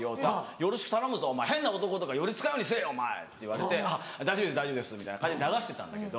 「よろしく頼むぞ変な男とか寄り付かんようにせぇよ！」。って言われて「大丈夫です」みたいな感じで流してたんだけど。